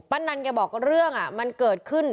ป้านันกันบอกเรื่องอ่ะมันเกิดขึ้น